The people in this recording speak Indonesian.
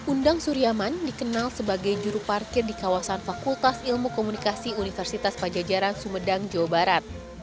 undang suryaman dikenal sebagai juru parkir di kawasan fakultas ilmu komunikasi universitas pajajaran sumedang jawa barat